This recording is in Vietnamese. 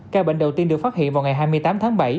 ca bệnh đầu tiên được phát hiện vào ngày hai mươi tám tháng bảy